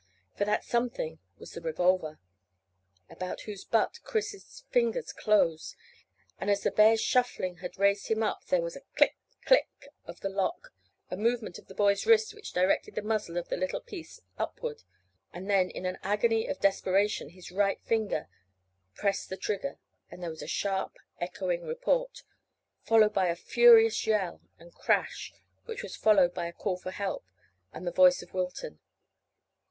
For that something was the revolver, about whose butt Chris's fingers closed, and as the bear's shuffling had raised him up there was a click, click of the lock, a movement of the boy's wrist which directed the muzzle of the little piece upward, and then in an agony of desperation his right finger pressed the trigger and there was a sharp echoing report, followed by a furious yell and crash which was followed by a call for help, and the voice of Wilton.